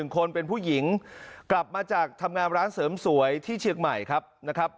คนเป็นผู้หญิงกลับมาจากทำงานร้านเสริมสวยที่เชียงใหม่ครับนะครับ